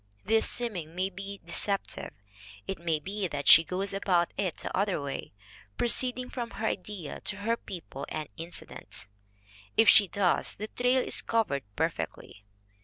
This seeming may be de ceptive. It may be that she goes about it the other way, proceeding from her idea to her people and incidents. If she does, the trail is covered perfectly.